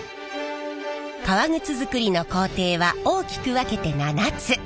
革靴づくりの工程は大きく分けて７つ。